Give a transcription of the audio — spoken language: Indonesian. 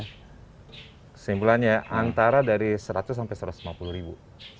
kesimpulannya antara dari seratus sampai satu ratus lima puluh ribu